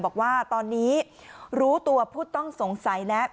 บอกว่าตอนนี้รู้ตัวผู้ต้องสงสัยแล้ว